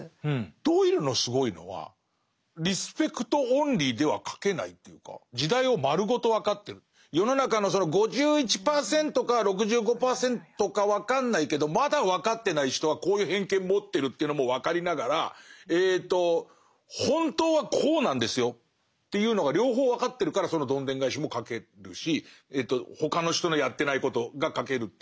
ドイルのすごいのは世の中のその５１％か６５％か分かんないけどまだ分かってない人はこういう偏見持ってるというのも分かりながら「本当はこうなんですよ」というのが両方分かってるからそのどんでん返しも書けるし他の人のやってないことが書けるという気がして。